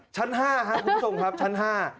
ชั้น๕ครับคุณผู้ชมครับชั้น๕